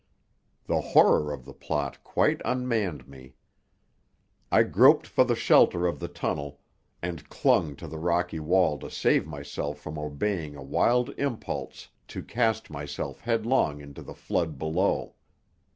The horror of the plot quite unmanned me. I groped for the shelter of the tunnel, and clung to the rocky wall to save myself from obeying a wild impulse to cast myself headlong into the flood below.